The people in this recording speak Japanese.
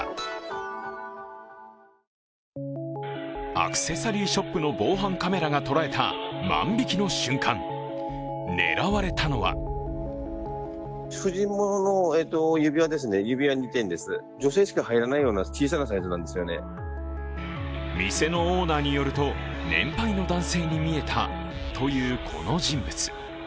アクセサリーショップの防犯カメラが捉えた万引きの瞬間、狙われたのは店のオーナーによると、年配の男性に見えたというこの人物。